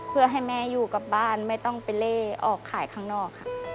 เพื่อให้แม่อยู่กับบ้านไม่ต้องไปเล่ออกขายข้างนอกค่ะ